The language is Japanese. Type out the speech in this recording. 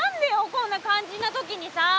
こんなかんじんな時にさ。